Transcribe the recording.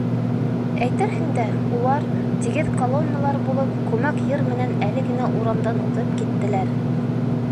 Әйтерһең дә, улар, тигеҙ колонналар булып, күмәк йыр менән әле генә урамдан уҙып киттеләр!